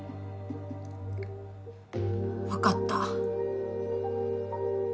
分かった。